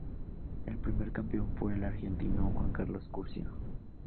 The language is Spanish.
El primer campeón fue el argentino Juan Carlos Curzio.